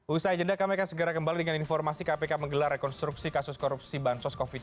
usai jeda kami akan segera kembali dengan informasi kpk menggelar rekonstruksi kasus korupsi bansos covid sembilan belas